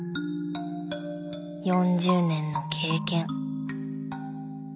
４０年の経験。